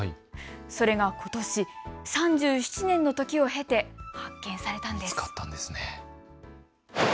それがことし、３７年の時を経て発見されたんですね。